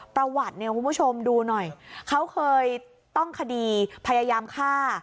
ประวัติเนี่ยคุณผู้ชมดูหน่อยเขาเคยต้องคดีพยายามฆ่า